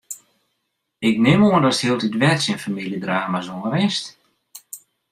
Ik nim oan datst hieltyd wer tsjin famyljedrama's oanrinst?